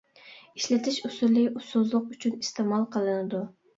ئىشلىتىش ئۇسۇلى ئۇسسۇزلۇق ئۈچۈن ئىستېمال قىلىنىدۇ.